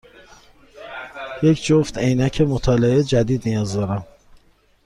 یک جفت عینک مطالعه جدید نیاز دارم.